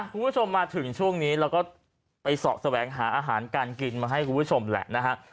คุณผู้ชมมาถึงช่วงนี้เราก็ไปเสาะแสวงหาอาหารการกินมาให้คุณผู้ชมแหละนะฮะ